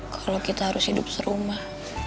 kalau kita harus hidup serumah